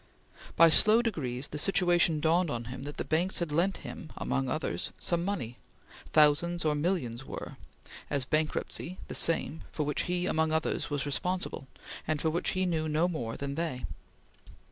By slow degrees the situation dawned on him that the banks had lent him, among others, some money thousands of millions were as bankruptcy the same for which he, among others, was responsible and of which he knew no more than they.